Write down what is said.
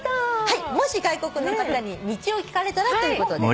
もし外国の方に道を聞かれたらということで。